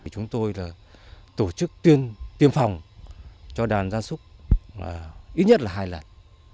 chúng tôi tổ chức tiêm phòng cho đàn gia súc ít nhất là hai lần